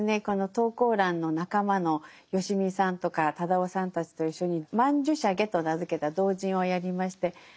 この投稿欄の仲間のよしみさんとか忠夫さんたちと一緒に「曼珠沙華」と名付けた同人をやりまして